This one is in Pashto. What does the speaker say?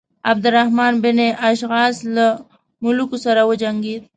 عبدالرحمن بن اشعث له ملوکو سره وجنګېد.